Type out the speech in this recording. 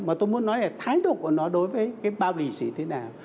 mà tôi muốn nói là thái độ của nó đối với cái bao lì xì thế nào